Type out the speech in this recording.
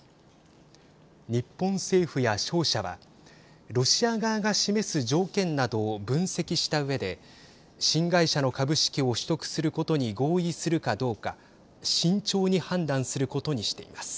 日本政府や商社はロシア側が示す条件などを分析したうえで新会社の株式を取得することに合意するかどうか慎重に判断することにしています。